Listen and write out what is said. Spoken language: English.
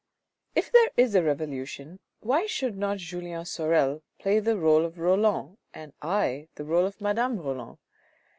" If there is a revolution why should not Julien Sorel play the role of Roland and I the r61e of Madame Roland?